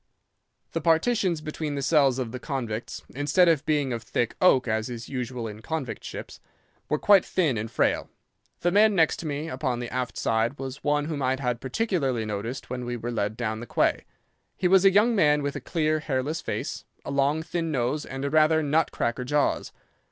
"'The partitions between the cells of the convicts, instead of being of thick oak, as is usual in convict ships, were quite thin and frail. The man next to me, upon the aft side, was one whom I had particularly noticed when we were led down the quay. He was a young man with a clear, hairless face, a long, thin nose, and rather nut cracker jaws.